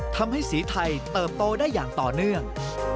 ทำให้สีไทยเติบโตได้อย่างต่อเนื่อง